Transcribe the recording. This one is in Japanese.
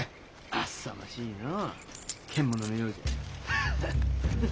あさましいのう獣のようじゃ。